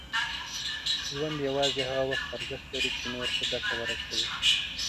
ژوند یوازې هغه وخت ارزښت لري، چې نور ته ګټه ورسوي.